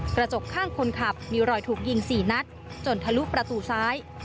กระจกข้างคนขับมีรอยถูกยิง๔นัดจนทะลุประตูซ้าย